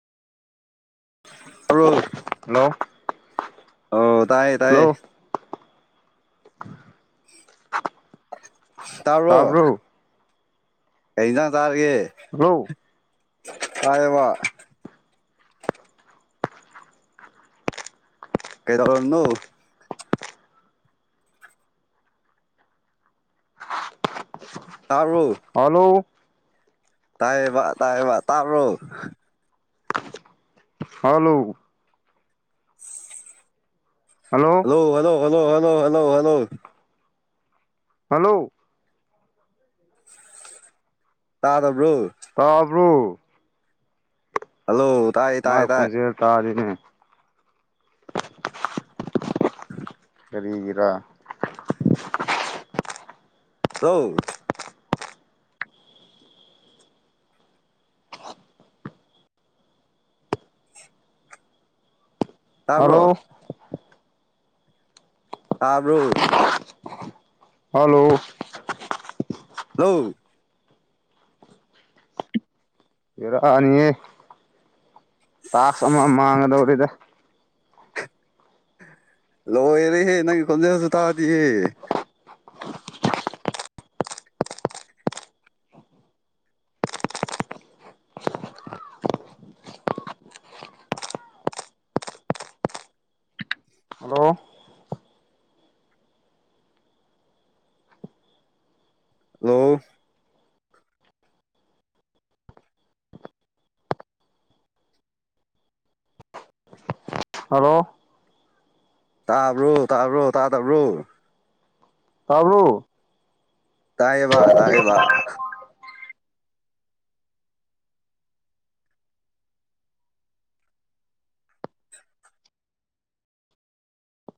ꯑꯣ ꯍꯜꯂꯣ ꯑꯣ ꯇꯥꯏꯌꯦ ꯍꯜꯂꯣ ꯇꯥꯏꯌꯦ [unintelligible] ꯇꯥꯕꯔꯣ꯫ ꯇꯥꯕ꯭ꯔꯣ ꯀꯩ ꯏꯟꯖꯥꯡ ꯆꯥꯒꯦ ꯍꯜꯂꯣ ꯇꯥꯏꯌꯦꯕ ꯀꯩ ꯇꯧꯅꯣ ꯇꯥꯕ꯭ꯔꯣ ꯍꯜꯂꯣ ꯇꯥꯏꯌꯦꯕ ꯇꯥꯏꯌꯦꯕ ꯇꯥꯕꯔꯣ ꯍꯜꯂꯣ [unintelligible] ꯍꯜꯂꯣ ꯍꯜꯂꯣ ꯍꯜꯂꯣ ꯍꯅꯣ ꯍꯅꯣ ꯍꯅꯣ ꯍꯜꯂꯣ ꯇꯥꯗꯕ꯭ꯔꯣ ꯭ꯔꯣ ꯍꯜꯂꯣ ꯇꯥꯏ ꯇꯥꯏ ꯃꯥꯥꯏ ꯇꯥꯏ ꯈꯣꯟꯖꯦꯜ ꯇꯥꯗꯦꯅꯦ ꯀꯔꯤꯒꯤꯔꯥ ꯂꯣ ꯍꯂꯣ ꯇꯥꯕ꯭ꯔꯣ ꯇꯥꯕ꯭ꯔꯨ ꯍꯜꯂꯣ ꯍꯂꯣ ꯏꯔꯥꯅꯤꯌꯦ ꯇꯥꯛꯁ ꯑꯃ ꯃꯥꯡꯒꯗꯧꯔꯤꯗ ꯂꯣꯏꯔꯦꯍꯦ ꯅꯪ ꯈꯣꯅꯖꯦꯜꯁꯨ ꯇꯥꯗꯤ꯫ Hello hello. ꯍꯜꯂꯣ ꯇꯥꯕ꯭ꯔꯣ ꯇꯥꯕ꯭ꯔꯣ ꯇꯥꯗꯕ꯭ꯔꯣ꯫ ꯇꯥꯕꯔꯣ꯫ ꯇꯥꯏꯕ ꯇꯥꯏꯕ꯫